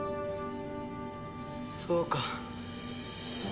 そうか。